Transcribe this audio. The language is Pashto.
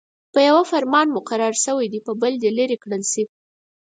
په يوه فرمان مقرر شوي دې په بل دې لیرې کړل شي.